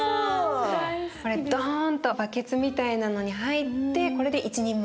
これドーンとバケツみたいなのに入ってこれで一人前。